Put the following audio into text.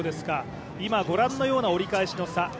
今ご覧のような折り返しの差。